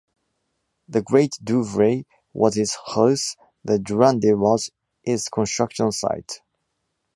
The great Douvre was his house; the Durande was is construction site.